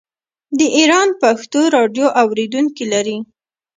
د ایران پښتو راډیو اوریدونکي لري.